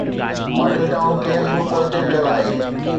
Model town case به پوئتي پيل آهي.